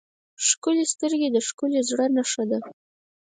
ښکلي سترګې د ښکلي زړه نښه ده.